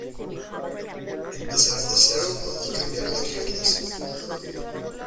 empezar de cero y cambiar las reglas